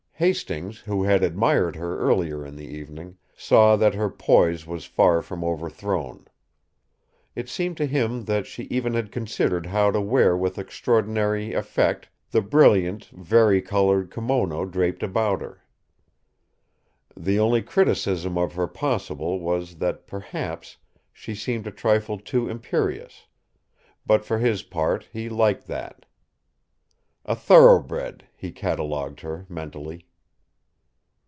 Hastings, who had admired her earlier in the evening, saw that her poise was far from overthrown. It seemed to him that she even had considered how to wear with extraordinary effect the brilliant, vari coloured kimono draped about her. The only criticism of her possible was that, perhaps, she seemed a trifle too imperious but, for his part, he liked that. "A thoroughbred!" he catalogued her, mentally.